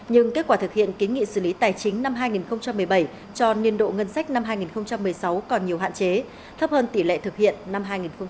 nhưng kết quả thực hiện kiến nghị xử lý tài chính năm hai nghìn một mươi bảy cho niên độ ngân sách năm hai nghìn một mươi sáu còn nhiều hạn chế thấp hơn tỷ lệ thực hiện năm hai nghìn một mươi tám